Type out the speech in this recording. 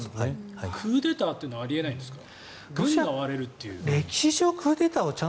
クーデターというのはあり得ないんですか。